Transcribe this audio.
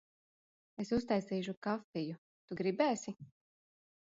Es uztaisīšu kafiju. Tu gribēsi?